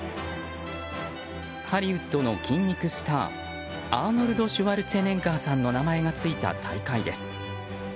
ハリウッドの筋肉スターアーノルド・シュワルツェネッガーさんの名前がついた大会です。